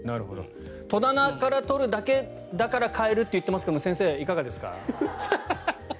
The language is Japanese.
戸棚から取るだけだから替えると言っていますが先生、いかがですか？